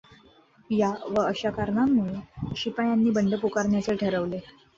या व अशा कारणांमुळे शिपायांनी बंड पुकारण्याचे ठरवले.